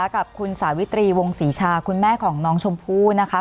กับคุณสาวิตรีวงศรีชาคุณแม่ของน้องชมพู่นะคะ